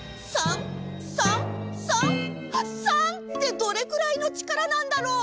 ３？３？３？３ってどれくらいの力なんだろう？